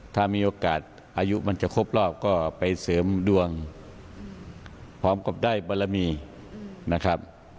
ถ้ามีโอกาสอายุมันจะครบรอบก็ไปเสริมดวงพร้อมกับได้บารมีนะครับ